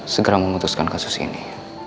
segera memutuskan kasus ini